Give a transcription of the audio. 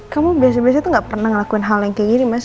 kamu biasanya gak pernah ngelakuin hal yang kayak gini mas